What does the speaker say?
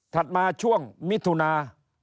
ถัดมาช่วงมิถุนา๖๑